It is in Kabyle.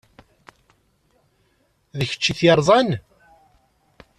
D kečč ay t-yerẓan?